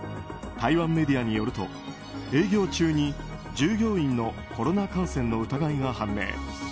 台湾メディアによると営業中に、従業員のコロナ感染の疑いが判明。